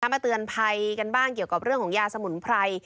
มาเตือนภัยกันบ้างเกี่ยวกับเรื่องของยาสมุนไพร